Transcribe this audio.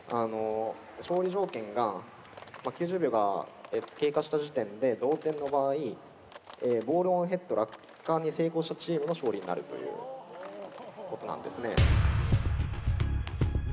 勝利条件が９０秒が経過した時点で同点の場合ボールオンヘッド落下に成功したチームの勝利になるということなんですね。